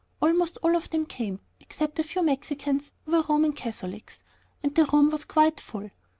Almost all of them came, except the few Mexicans, who were Roman Catholics, and the room was quite full.